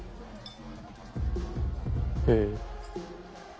へえ。